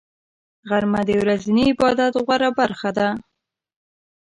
غرمه د ورځني عبادت غوره برخه ده